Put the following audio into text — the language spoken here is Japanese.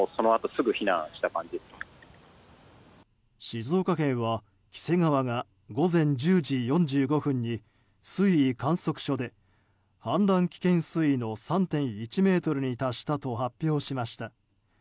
静岡県は黄瀬川が午前１０時４５分に水位観測所で氾濫危険水位の３．１ｍに達したと発表しました。